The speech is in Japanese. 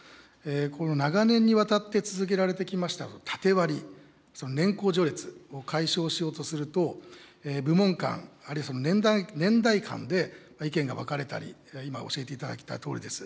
この長年にわたって続けられてきました縦割り、年功序列を解消しようとすると、部門間、あるいは年代間で意見が分かれたり、今教えていただいたとおりです。